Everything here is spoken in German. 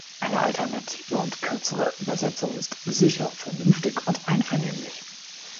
Eine alternative und kürzere Übersetzung ist: „sicher, vernünftig und einvernehmlich“.